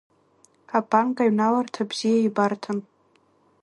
Абанк аҩналарҭа бзиа ибарҭан.